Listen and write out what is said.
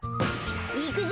いくぞ！